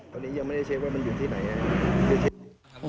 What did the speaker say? ตอนนี้ยังไม่ได้เช็คว่ามันอยู่ที่ไหนครับ